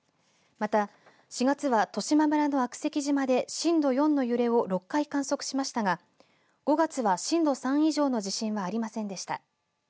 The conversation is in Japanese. また４月は十島村の悪石島で震度４の揺れを６回観測しましたが、５月は震度３以上の地震はありませんでした。